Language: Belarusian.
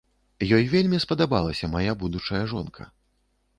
Ёй вельмі спадабалася мая будучая жонка.